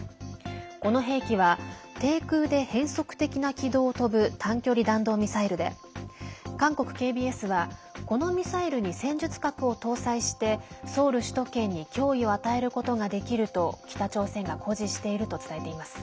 この兵器は低空で変則的な軌道を飛ぶ短距離弾道ミサイルで韓国ＫＢＳはこのミサイルに戦術核を搭載してソウル首都圏に脅威を与えることができると北朝鮮が誇示していると伝えています。